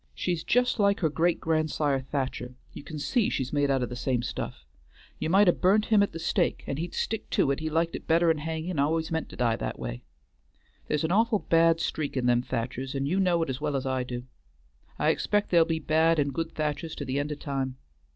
She's just like her gre't grandsir Thacher; you can see she's made out o' the same stuff. You might ha' burnt him to the stake, and he'd stick to it he liked it better'n hanging and al'ays meant to die that way. There's an awful bad streak in them Thachers, an' you know it as well as I do. I expect there'll be bad and good Thachers to the end o' time.